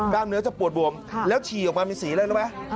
กล้ามเนื้อจะปวดบวมแล้วฉี่ออกมามีสีอะไรนะ